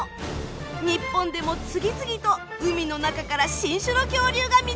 日本でも次々と海の中から新種の恐竜が見つかっています。